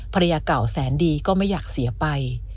ภรรยาเก่าแสนดีก็ไม่อยากเสียไป